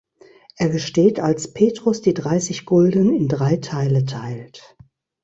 Er gesteht, als Petrus die dreißig Gulden in drei Teile teilt.